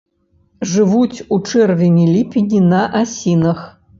Жывуць у чэрвені-ліпені на асінах.